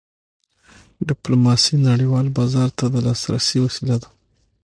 ډیپلوماسي نړیوال بازار ته د لاسرسي وسیله ده.